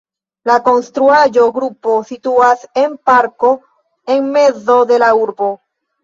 La konstruaĵo-grupo situas en parko en mezo de la urbo.